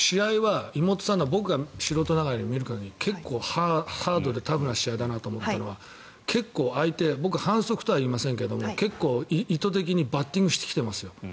妹さんの試合は僕が素人ながらに見る限り結構、ハードでタフな試合だなと思ったのは結構相手僕は反則とは言いませんが結構、意図的にバッティングしてきていますよ。